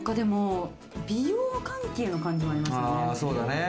美容関係の感じもありますよね。